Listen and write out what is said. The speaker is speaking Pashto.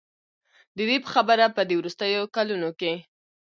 د دې په خبره په دې وروستیو کلونو کې